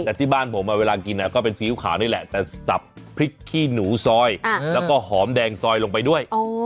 แต่ที่บ้านผมเวลากินก็เป็นซีอิ๊วขาวนี่แหละแต่สับพริกขี้หนูซอยแล้วก็หอมแดงซอยลงไปด้วย